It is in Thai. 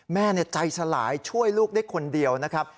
แม่ใจสลายช่วยลูกได้คนเดียวนะครับ